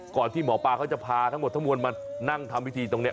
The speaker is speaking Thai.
ที่หมอปลาเขาจะพาทั้งหมดทั้งมวลมานั่งทำพิธีตรงนี้